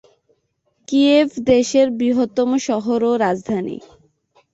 Kyiv দেশের বৃহত্তম শহর ও রাজধানী।